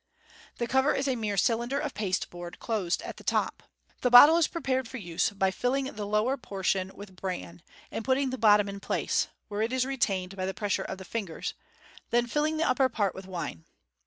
The cover is a mere cylinder of pasteboard, closed at the top. The bottle is prepared for use by filling the lower portion with bran, and putting the bottom in place (where it is re tained by the pressure of the fingers), then filling the upper part with wine.